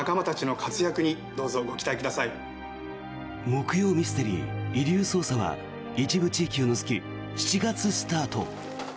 木曜ミステリー「遺留捜査」は一部地域を除き７月スタート。